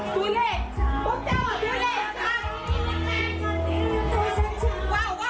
คือพวกเจ้าบอกว่า